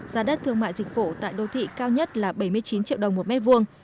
giá đất thương mại dịch vụ tại đô thị cao nhất là bảy mươi chín triệu đồng một mét vuông